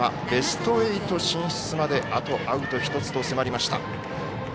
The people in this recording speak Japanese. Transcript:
ベスト８進出まであとアウト１つと迫りました。